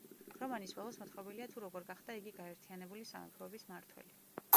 რომანის ბოლოს მოთხრობილია, თუ როგორ გახდა იგი გაერთიანებული სამეფოების მმართველი.